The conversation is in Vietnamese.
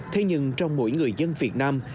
thế nhưng trong mỗi người dân việt nam